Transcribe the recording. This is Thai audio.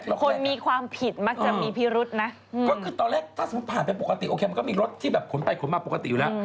คนมีความผิดมักจะมีพิรุษนะก็คือตอนแรกถ้าสมมุติผ่านไปปกติโอเคมันก็มีรถที่แบบขนไปขนมาปกติอยู่แล้ว